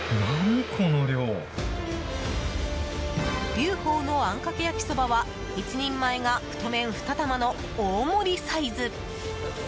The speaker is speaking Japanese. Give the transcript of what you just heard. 龍鳳のあんかけ焼きそばは１人前が太麺２玉の大盛りサイズ。